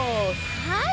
はい。